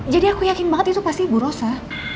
jadi aku yakin banget itu pasti bu rosa